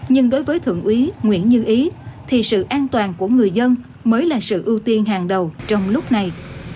nhưng đối với thượng úy nguyễn như ý thì sự an toàn của người dân mới là sự ưu tiên hàng đầu trong lúc này